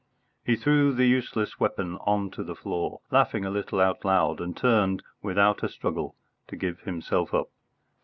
He threw the useless weapon on to the floor, laughing a little out loud, and turned, without a struggle, to give himself up.